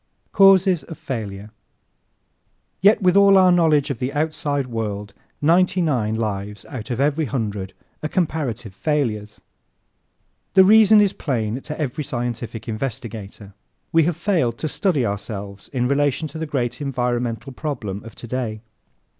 Causes of Failure ¶ Yet with all our knowledge of the outside world ninety nine lives out of every hundred are comparative failures. ¶ The reason is plain to every scientific investigator. We have failed to study ourselves in relation to the great environmental problem of today.